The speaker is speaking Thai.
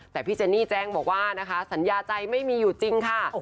แต่พี่เจนนี่แจ้งบอกว่านะคะสัญญาใจไม่มีอยู่จริงค่ะ